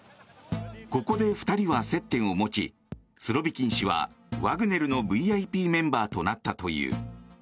ここで２人は接点を持ちスロビキン氏はワグネルのＶＩＰメンバーとなったという。